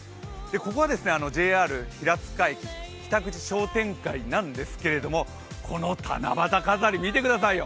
ここはＪＲ平塚駅北口商店街なんですけどこの七夕飾り、見てくださいよ。